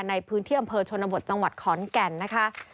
ในพื้นที่อำเภอชนบทจังหวัดขอนแก่นนะคะ